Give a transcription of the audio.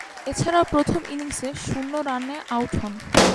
এছাড়াও প্রথম ইনিংসে শূন্য রানে আউট হন।